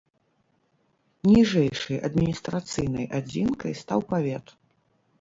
Ніжэйшай адміністрацыйнай адзінкай стаў павет.